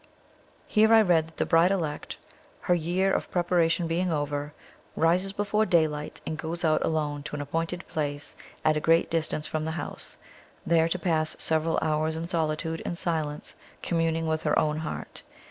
Here I read that the bride elect, her year of preparation being over, rises before daylight, and goes out alone to an appointed place at a great distance from the house, there to pass several hours in solitude and silence, communing with her own heart.